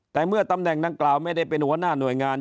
แต่เมื่อตำแหน่งดังกล่าวไม่ได้เป็นหัวหน้าหน่วยงาน